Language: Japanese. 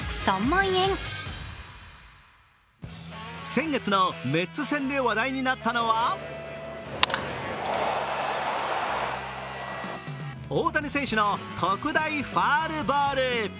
先月のメッツ戦で話題になったのは大谷選手の特大ファウルボール。